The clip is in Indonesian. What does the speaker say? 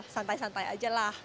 santai santai aja lah